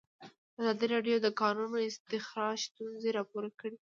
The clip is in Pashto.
ازادي راډیو د د کانونو استخراج ستونزې راپور کړي.